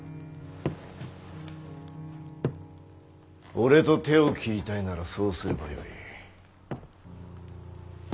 俺と手を切りたいならそうすればよい。